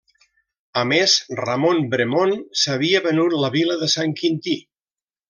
A més, Ramon Bremon, s'havia venut la vila de Sant Quintí.